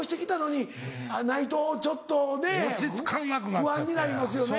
不安になりますよね。